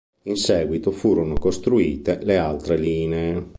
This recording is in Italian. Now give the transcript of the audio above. In seguito furono costruite le altre linee.